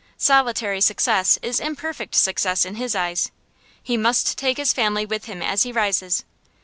Solitary success is imperfect success in his eyes. He must take his family with him as he rises.